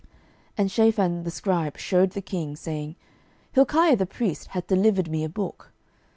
12:022:010 And Shaphan the scribe shewed the king, saying, Hilkiah the priest hath delivered me a book.